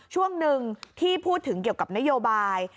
ช่วงหนึ่งที่พูดถึงเกี่ยวกับนโยบาย